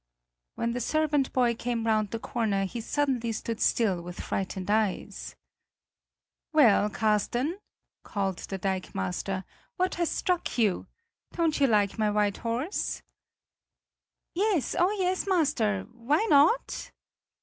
When the servant boy came round the corner, he suddenly stood still with frightened eyes. "Well, Carsten," called the dikemaster, "what has struck you? Don't you like my white horse?" "Yes oh, yes, master, why not?"